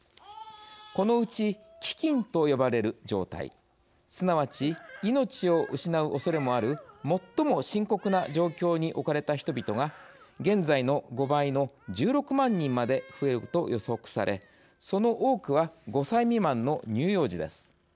このうち「飢きん」と呼ばれる状態、すなわち命を失うおそれもある最も深刻な状況に置かれた人々が現在の５倍の１６万人まで増えると予測され、その多くは５歳未満の乳幼児です。